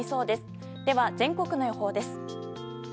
では、全国の予報です。